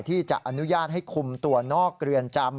ที่จะอนุญาตให้คุมตัวนอกเรือนจำ